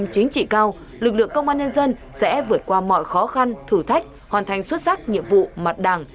chính trị cao lực lượng công an nhân dân sẽ vượt qua mọi khó khăn thử thách hoàn thành xuất sắc nhiệm vụ mặt đảng